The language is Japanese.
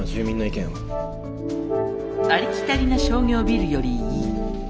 「ありきたりな商業ビルよりいい」